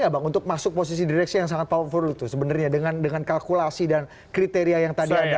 bang untuk masuk posisi direksi yang sangat powerful itu sebenarnya dengan kalkulasi dan kriteria yang tadi anda katakan